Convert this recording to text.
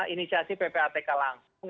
inisiasi ppatk langsung